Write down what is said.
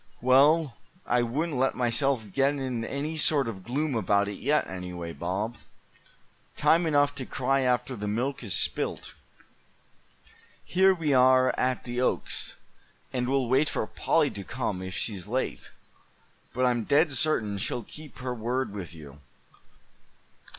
"Well, I wouldn't let myself get in any sort of gloom about it yet, anyway, Bob. Time enough to cry after the milk is spilt. Here we are at the oaks, and we'll wait for Polly to come, if she's late; but I'm dead certain she'll keep her word with you.